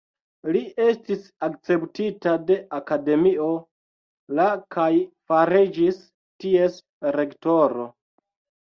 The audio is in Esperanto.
Li estis akceptita de Akademio la kaj fariĝis ties rektoro.